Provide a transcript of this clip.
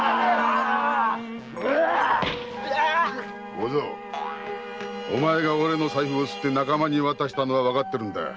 小僧お前が俺の財布をすって仲間に渡したのはわかっている。